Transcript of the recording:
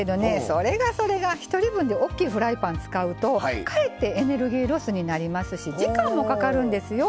それがそれが１人分でおっきいフライパン使うとかえってエネルギーロスになりますし時間もかかるんですよ。